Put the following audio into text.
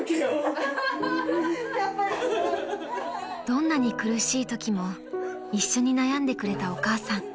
［どんなに苦しいときも一緒に悩んでくれたお母さん］